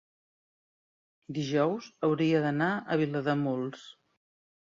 dijous hauria d'anar a Vilademuls.